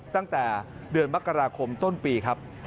ตั้งแต่เดือนมกราคมต้นปีครับ